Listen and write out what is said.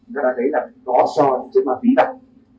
chúng ta thấy là có cho những chiếc ma phí đặc